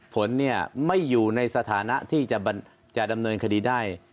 ผลเนี่ยไม่อยู่ในสถานะที่จะดำเนินคดีได้